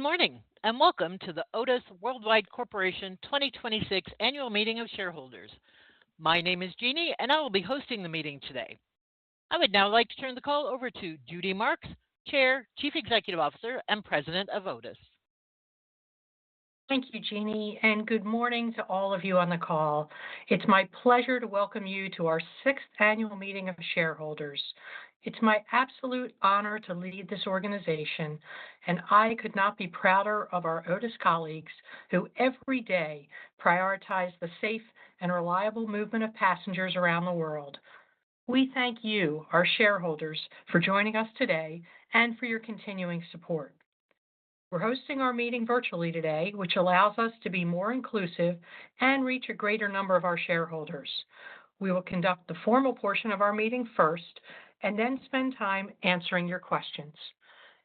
Good morning. Welcome to the Otis Worldwide Corporation 2026 Annual Meeting of Shareholders. My name is Jeannie. I will be hosting the meeting today. I would now like to turn the call over to Judy Marks, Chair, Chief Executive Officer, and President of Otis. Thank you, Jeannie, and good morning to all of you on the call. It's my pleasure to welcome you to our sixth annual meeting of shareholders. It's my absolute honor to lead this organization, and I could not be prouder of our Otis colleagues who every day prioritize the safe and reliable movement of passengers around the world. We thank you, our shareholders, for joining us today and for your continuing support. We're hosting our meeting virtually today, which allows us to be more inclusive and reach a greater number of our shareholders. We will conduct the formal portion of our meeting first and then spend time answering your questions.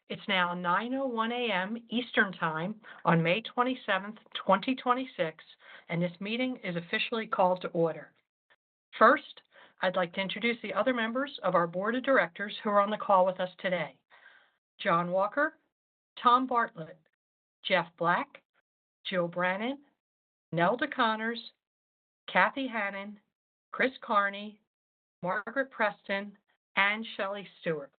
It's now 9:01 A.M. Eastern Time on May 27th, 2026, and this meeting is officially called to order. First, I'd like to introduce the other members of our Board of Directors who are on the call with us today. John Walker, Tom Bartlett, Jeff Black, Jill Brannon, Nelda Connors, Kathy Hannan, Chris Kearney, Margaret Preston, and Shelley Stewart.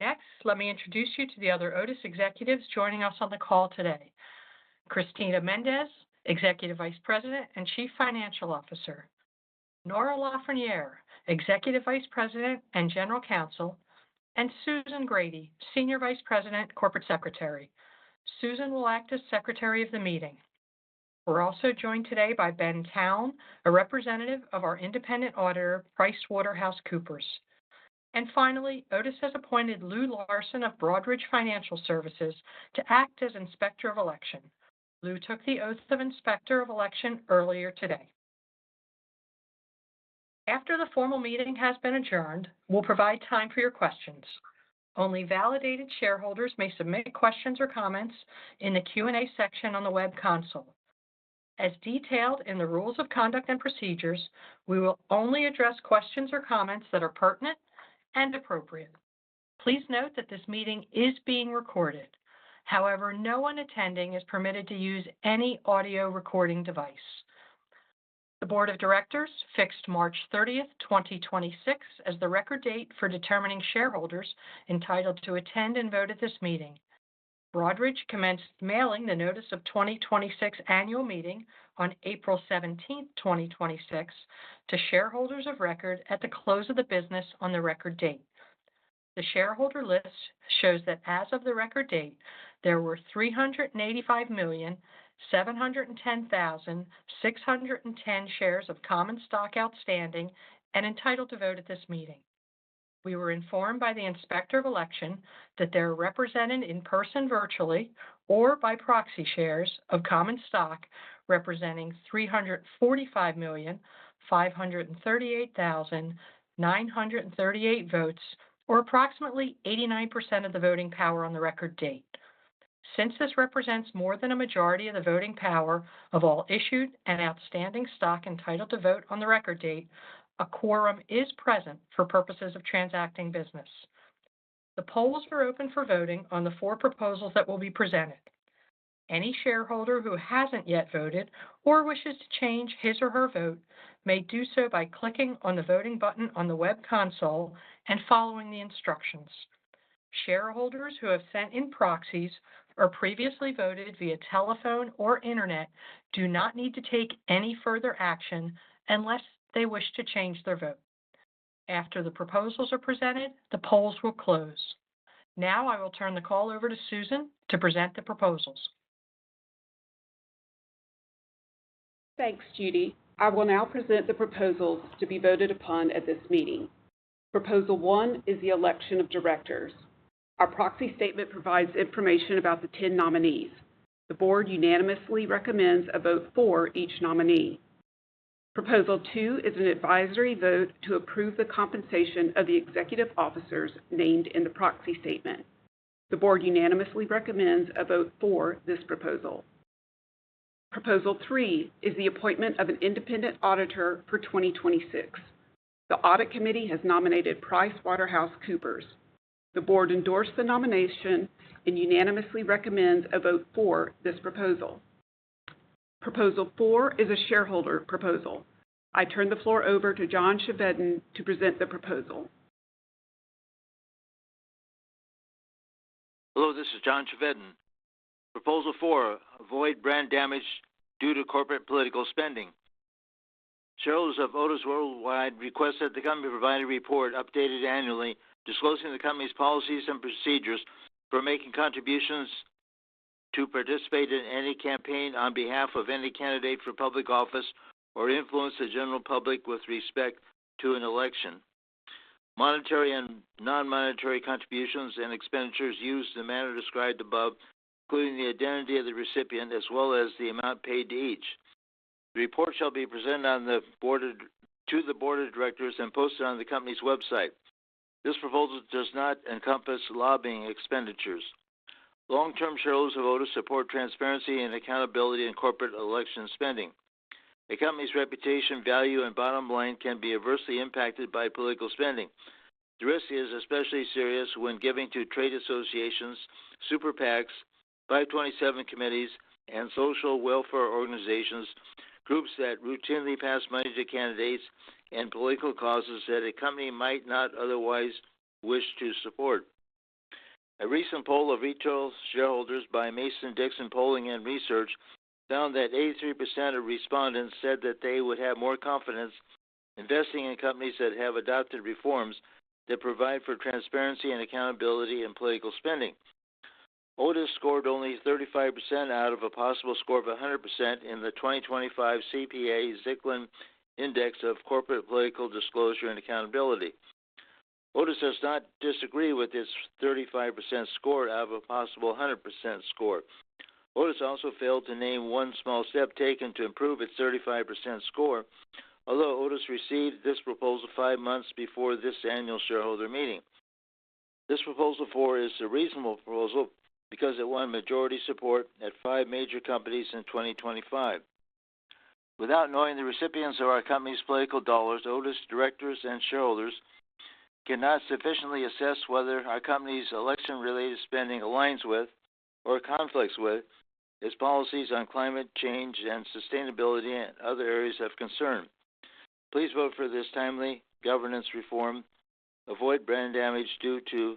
Next, let me introduce you to the other Otis executives joining us on the call today. Cristina Méndez, Executive Vice President and Chief Financial Officer. Nora LaFreniere, Executive Vice President and General Counsel, and Susan Grady, Senior Vice President, Corporate Secretary. Susan will act as secretary of the meeting. We're also joined today by Ben Towne, a Representative of our Independent Auditor, PricewaterhouseCoopers. Finally, Otis has appointed Louis Larson of Broadridge Financial Services to act as Inspector of Election. Louis took the oaths of Inspector of Election earlier today. After the formal meeting has been adjourned, we'll provide time for your questions. Only validated shareholders may submit questions or comments in the Q&A section on the web console. As detailed in the rules of conduct and procedures, we will only address questions or comments that are pertinent and appropriate. Please note that this meeting is being recorded. However, no one attending is permitted to use any audio recording device. The Board of Directors fixed March 30th, 2026, as the record date for determining shareholders entitled to attend and vote at this meeting. Broadridge commenced mailing the notice of 2026 annual meeting on April 17th, 2026, to shareholders of record at the close of the business on the record date. The shareholder list shows that as of the record date, there were 385,710,610 shares of common stock outstanding and entitled to vote at this meeting. We were informed by the Inspector of Election that they're represented in person, virtually, or by proxy shares of common stock representing 345,538,938 votes, or approximately 89% of the voting power on the record date. Since this represents more than a majority of the voting power of all issued and outstanding stock entitled to vote on the record date, a quorum is present for purposes of transacting business. The polls are open for voting on the four proposals that will be presented. Any shareholder who hasn't yet voted or wishes to change his or her vote may do so by clicking on the voting button on the web console and following the instructions. Shareholders who have sent in proxies or previously voted via telephone or internet do not need to take any further action unless they wish to change their vote. After the proposals are presented, the polls will close. Now I will turn the call over to Susan to present the proposals. Thanks, Judy. I will now present the proposals to be voted upon at this meeting. Proposal one is the election of directors. Our proxy statement provides information about the 10 nominees. The board unanimously recommends a vote for each nominee. Proposal two is an advisory vote to approve the compensation of the executive officers named in the proxy statement. The Board unanimously recommends a vote for this proposal. Proposal three is the appointment of an Independent Auditor for 2026. The Audit Committee has nominated PricewaterhouseCoopers. The Board endorsed the nomination and unanimously recommends a vote for this proposal. Proposal four is a shareholder proposal. I turn the floor over to John Chevedden to present the proposal. Hello, this is John Chevedden. Proposal four, avoid brand damage due to corporate political spending. Shareholders of Otis Worldwide request that the company provide a report updated annually, disclosing the company's policies and procedures for making contributions to participate in any campaign on behalf of any candidate for public office or influence the general public with respect to an election, monetary and non-monetary contributions and expenditures used in the manner described above, including the identity of the recipient as well as the amount paid to each. The report shall be presented to the Board of Directors and posted on the company's website. This proposal does not encompass lobbying expenditures. Long-term shareholders of Otis support transparency and accountability in corporate election spending. A company's reputation, value, and bottom line can be adversely impacted by political spending. The risk is especially serious when giving to trade associations, Super PACs, 527 committees, and social welfare organizations, groups that routinely pass money to candidates and political causes that a company might not otherwise wish to support. A recent poll of retail shareholders by Mason-Dixon Polling & Strategy found that 83% of respondents said that they would have more confidence investing in companies that have adopted reforms that provide for transparency and accountability in political spending. Otis scored only 35% out of a possible score of 100% in the 2025 CPA-Zicklin Index of Corporate Political Disclosure and Accountability. Otis does not disagree with its 35% score out of a possible 100% score. Otis also failed to name one small step taken to improve its 35% score, although Otis received this proposal five months before this annual shareholder meeting. This proposal four is a reasonable proposal because it won majority support at five major companies in 2025. Without knowing the recipients of our company's political dollars, Otis Directors and shareholders cannot sufficiently assess whether our company's election-related spending aligns with or conflicts with its policies on climate change and sustainability and other areas of concern. Please vote for this timely governance reform. Avoid brand damage due to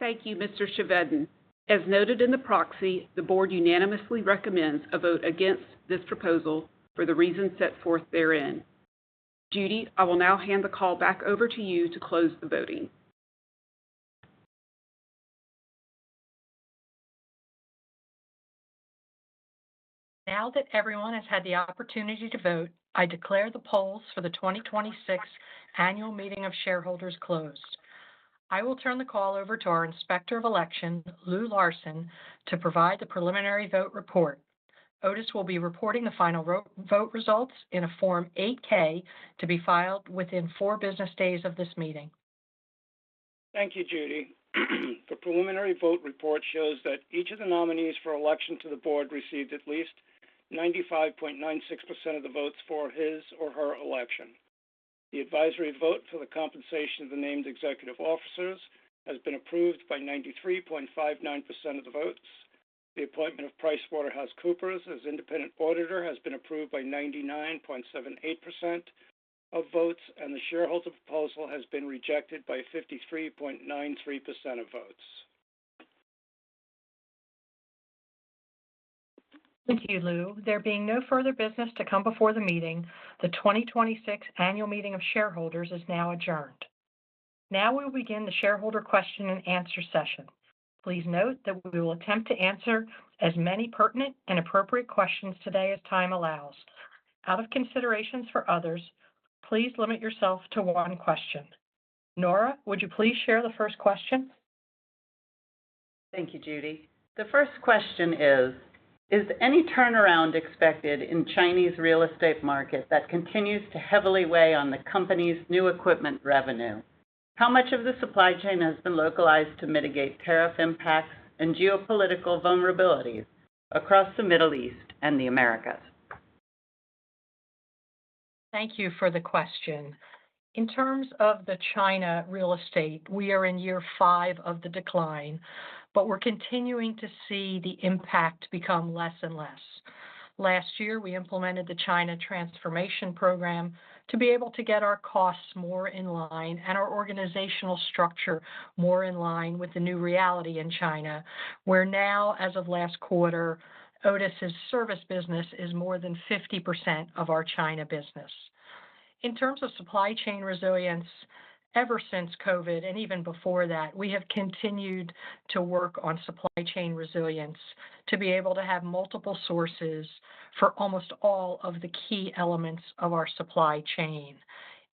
corporate political spending, proposal four. Thank you, Mr. Chevedden. As noted in the proxy, the board unanimously recommends a vote against this proposal for the reasons set forth therein. Judy, I will now hand the call back over to you to close the voting. Now that everyone has had the opportunity to vote, I declare the polls for the 2026 Annual Meeting of Shareholders closed. I will turn the call over to our Inspector of Election, Louis Larson, to provide the preliminary vote report. Otis will be reporting the final vote results in a Form 8-K to be filed within four business days of this meeting. Thank you, Judy. The preliminary vote report shows that each of the nominees for election to the board received at least 95.96% of the votes for his or her election. The advisory vote for the compensation of the named executive officers has been approved by 93.59% of the votes. The appointment of PricewaterhouseCoopers as independent auditor has been approved by 99.78% of votes. The shareholder proposal has been rejected by 53.93% of votes. Thank you, Louis. There being no further business to come before the meeting, the 2026 Annual Meeting of Shareholders is now adjourned. Now we will begin the shareholder question and answer session. Please note that we will attempt to answer as many pertinent and appropriate questions today as time allows. Out of considerations for others, please limit yourself to one question. Nora, would you please share the first question? Thank you, Judy. The first question is any turnaround expected in Chinese real estate market that continues to heavily weigh on the company's new equipment revenue? How much of the supply chain has been localized to mitigate tariff impacts and geopolitical vulnerabilities across the Middle East and the Americas? Thank you for the question. In terms of the China real estate, we are in year 5 of the decline, but we're continuing to see the impact become less and less. Last year, we implemented the China transformation program to be able to get our costs more in line and our organizational structure more in line with the new reality in China, where now, as of last quarter, Otis's service business is more than 50% of our China business. In terms of supply chain resilience, ever since COVID, and even before that, we have continued to work on supply chain resilience to be able to have multiple sources for almost all of the key elements of our supply chain.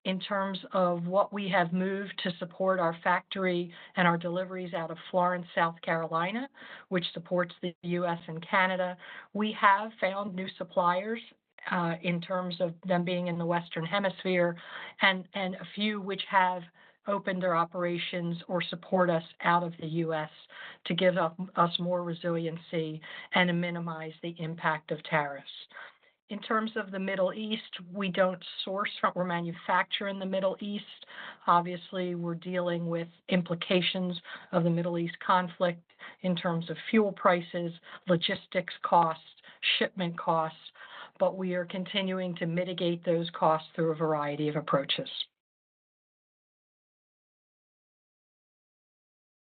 In terms of what we have moved to support our factory and our deliveries out of Florence, South Carolina, which supports the U.S. and Canada, we have found new suppliers, in terms of them being in the Western Hemisphere and a few which have opened their operations or support us out of the U.S. to give us more resiliency and to minimize the impact of tariffs. In terms of the Middle East, we don't source from or manufacture in the Middle East. Obviously, we're dealing with implications of the Middle East conflict in terms of fuel prices, logistics costs, shipment costs. We are continuing to mitigate those costs through a variety of approaches.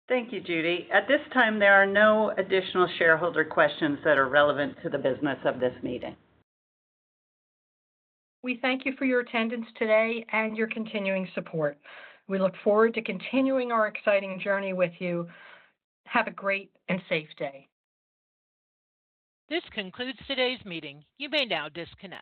Thank you, Judy. At this time, there are no additional shareholder questions that are relevant to the business of this meeting. We thank you for your attendance today and your continuing support. We look forward to continuing our exciting journey with you. Have a great and safe day. This concludes today's meeting. You may now disconnect.